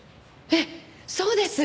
ええそうです。